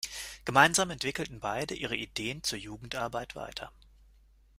Gemeinsam entwickelten beide ihre Ideen zur Jugendarbeit weiter.